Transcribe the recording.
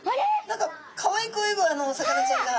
何かかわいく泳ぐお魚ちゃんが。